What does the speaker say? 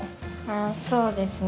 そうですね。